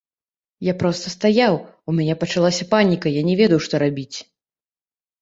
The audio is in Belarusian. Я проста стаяў, у мяне пачалася паніка, я не ведаў, што рабіць.